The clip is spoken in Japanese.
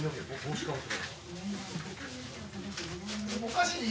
おかしい！